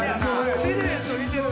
シルエット似てる。